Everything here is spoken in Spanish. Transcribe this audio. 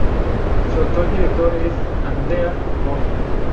Su actual director es Andrea Monti.